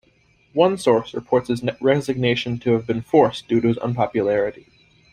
One source reports his resignation to have been forced due to his unpopularity.